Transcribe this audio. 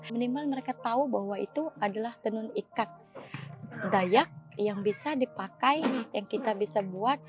minimal mereka tahu bahwa itu adalah tenun ikat dayak yang bisa dipakai yang kita bisa buat